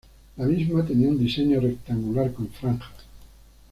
La misma tenía un diseño rectangular con franjas.